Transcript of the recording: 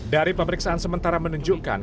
dari pemeriksaan sementara menunjukkan